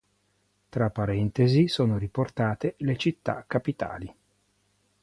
Tra parentesi sono riportate le città capitali.